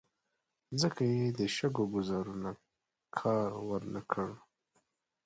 ځکه یې د شګو ګوزارونو کار ور نه کړ.